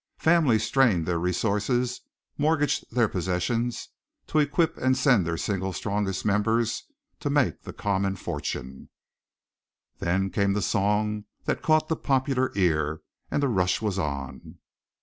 Families strained their resources, mortgaged their possessions, to equip and send their single strongest members to make the common fortune. Then came the song that caught the popular ear; and the rush was on.